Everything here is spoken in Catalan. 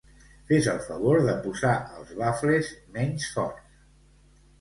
Fes el favor de posar els bafles menys forts.